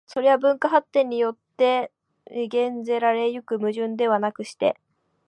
それは文化発展によって減ぜられ行く矛盾ではなくして、